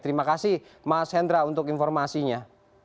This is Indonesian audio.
terima kasih mas hendra untuk informasinya